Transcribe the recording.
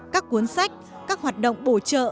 các cuốn sách các hoạt động bổ trợ